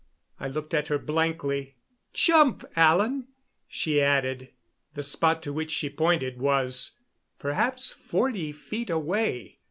I looked at her blankly. "Jump, Alan," she added. The spot to which she pointed was perhaps forty feet away.